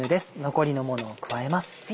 残りのものを加えます。